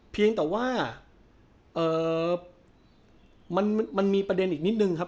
เพียงแต่ว่ามันมีประเด็นอีกนิดนึงครับ